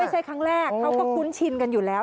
ไม่ใช่ครั้งแรกเขาก็คุ้นชินกันอยู่แล้ว